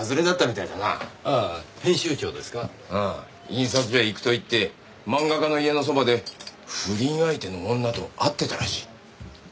印刷所へ行くと言って漫画家の家のそばで不倫相手の女と会ってたらしい。